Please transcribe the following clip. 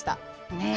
ねえ